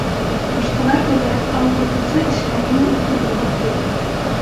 Башҡалар көлә, ә уҡытыусы, эшлә, һинең үҙ күҙең бар, ти.